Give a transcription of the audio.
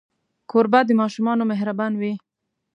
کوربه د ماشومانو مهربان وي.